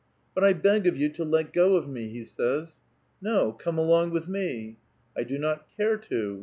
' But I beg of you to let go of me,' he says. ' No, come aloDg with me.' ' I do not care to.'